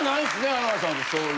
浜田さんってそういう。